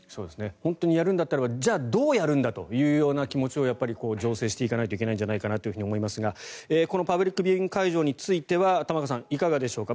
本当にやるんだったらじゃあ、どうやるんだという気持ちを醸成していかなければいけないんじゃないかなと思いますがこのパブリックビューイングの会場については玉川さん、いかがでしょうか。